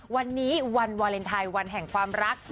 วันนี้วันวาเลนไทยวันแห่งความรัก